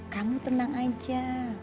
kamu tenang aja